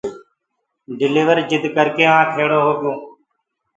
ڊليور جِد ڪرڪي وهآنٚ کڙو هوگو